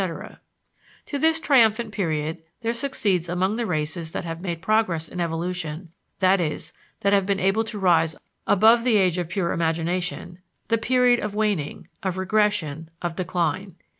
To this triumphant period there succeeds among the races that have made progress in evolution, i.e., that have been able to rise above the age of (pure) imagination, the period of waning, of regression, of decline.